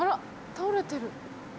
倒れてる。